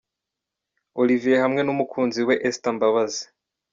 Olivier hamwe n'umukunzi we Esther Mbabazi.